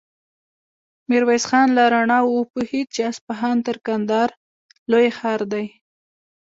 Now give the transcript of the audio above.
ميرويس خان له رڼاوو وپوهېد چې اصفهان تر کندهاره لوی ښار دی.